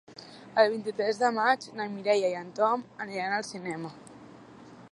El vint-i-tres de maig na Mireia i en Tom aniran al cinema.